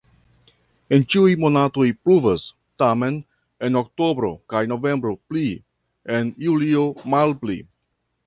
En ĉiuj monatoj pluvas, tamen en oktobro kaj novembro pli, en julio malpli.